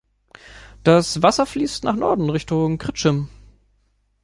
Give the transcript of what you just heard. Das Wasser fließt nach Norden, Richtung Kritschim.